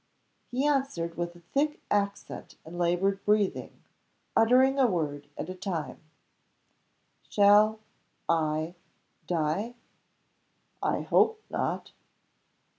He answered with a thick accent and laboring breath uttering a word at a time: "Shall I die?" "I hope not."